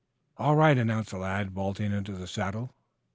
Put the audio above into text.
"All right," announced the lad, vaulting into the saddle.